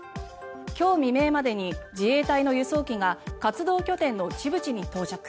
今日未明までに自衛隊の輸送機が活動拠点のジブチに到着。